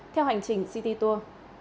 theo hành trình city tour